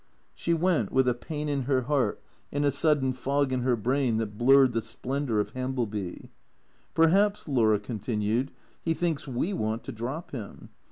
She went, with a pain in her heart and a sudden fog in her brain that blurred the splendour of Hambleby. "Perhaps," Laura continued, "he thinks ive want to drop him.